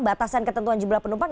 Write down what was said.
batasan ketentuan jumlah penumpang